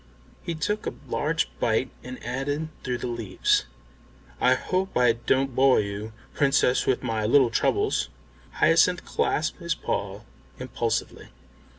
He took a large bite and added through the leaves, "I hope I don't bore you, Princess, with my little troubles." Hyacinth clasped his paw impulsively.